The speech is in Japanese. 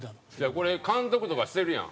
これ監督とかしてるやん。